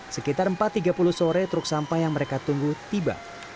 sekitar empat tiga puluh sore truk sampah yang mereka tunggu tiba